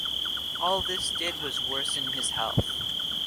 All this did was worsen his health.